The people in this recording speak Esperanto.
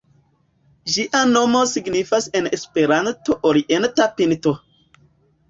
Ĝia nomo signifas en Esperanto Orienta Pinto.